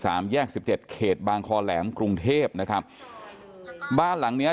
แยกสิบเจ็ดเขตบางคอแหลมกรุงเทพนะครับบ้านหลังเนี้ย